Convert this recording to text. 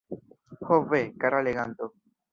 Ho ve, kara leganto!